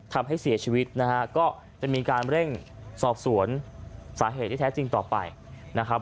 ทำให้เสียชีวิตนะฮะก็จะมีการเร่งสอบสวนสาเหตุที่แท้จริงต่อไปนะครับ